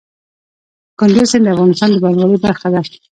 کندز سیند د افغانستان د بڼوالۍ برخه ده.